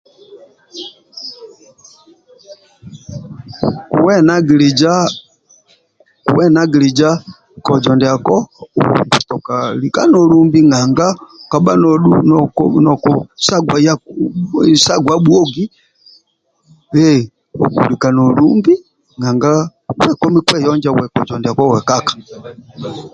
Kuwenagiliza kuwenagilija kozo ndiako okutoka lika nolumbi nanga nokusagwa bhuogi ehhh okutoka lika nolumbi nanga osagu yonja kojo ndiako wekaka